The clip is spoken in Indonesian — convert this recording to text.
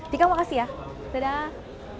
dikamu kasih ya dadah